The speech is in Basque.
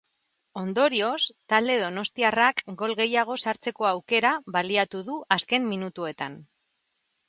Ondorioz, talde donostiarrak gol gehiago sartzeko aukera baliatu du azken minutuetan.